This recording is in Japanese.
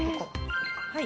はい。